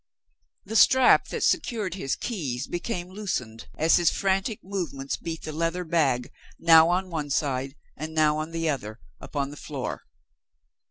The strap that secured his keys became loosened, as his frantic movements beat the leather bag, now on one side, and now on the other, upon the floor.